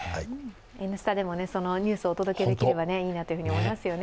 「Ｎスタ」でもそのニュースをお届けできるといいですよね。